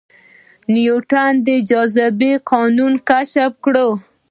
نیوټن د جاذبې قانون کشف کړ